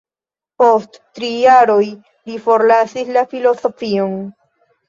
Post tri jaroj li forlasis la filozofion.